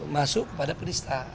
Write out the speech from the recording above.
masuk kepada penista